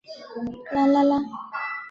圣朱利安德克朗普斯。